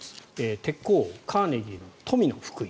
鉄鋼王・カーネギーの「富の福音」。